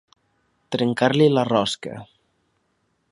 Trencar-li la rosca.